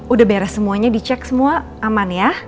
udah beres semuanya dicek semua aman ya